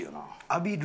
浴びる？